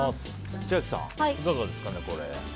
千秋さん、いかがですか？